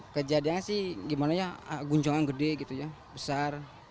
kejadiannya sih gimana ya gunjongan gede gitu ya besar